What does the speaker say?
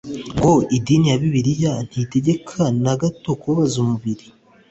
ngo : idini ya Bibliya ntitegeka na gato kubabaza umubiri.